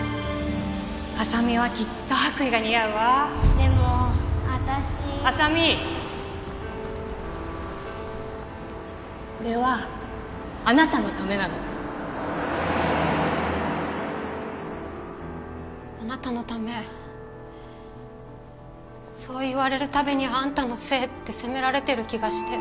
麻美はきっと白衣が似合でも私麻美これはあなたのためなのあなたのためそう言われるたびにあんたのせいって責められてる気がして。